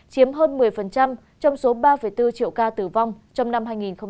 chiếm hơn một mươi trong số ba bốn triệu ca tử vong trong năm hai nghìn hai mươi